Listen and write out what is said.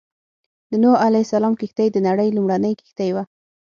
د نوح عليه السلام کښتۍ د نړۍ لومړنۍ کښتۍ وه.